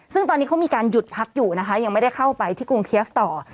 ซึ่งตอนนี้เขามีการหยุดพักอยู่นะคะยังไม่ได้เข้าไปที่กรุงเคียฟต่อ